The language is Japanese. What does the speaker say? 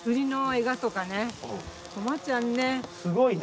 すごいね。